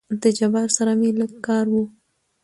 د جبار سره مې لېږ کار وو.